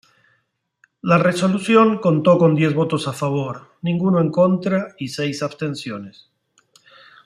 La resolución contó con diez votos a favor, ninguno en contra y seis abstenciones.